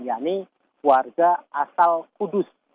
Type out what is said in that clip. yakni warga asal kudus